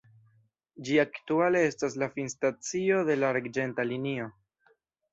Ĝi aktuale estas la finstacio de la arĝenta linio.